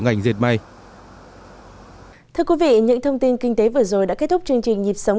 ngành diệt mây thưa quý vị những thông tin kinh tế vừa rồi đã kết thúc chương trình nhịp sống